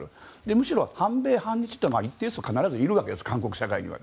むしろ反米・反日というのは一定数必ずいるわけです韓国社会には。